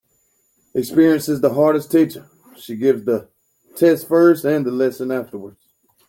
Experience is the hardest teacher. She gives the test first and the lesson afterwards.